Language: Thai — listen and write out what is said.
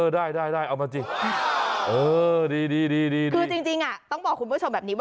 ได้ดู